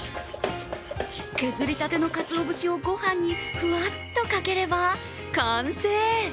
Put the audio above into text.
削りたてのかつお節をごはんにふわっとかければ、完成。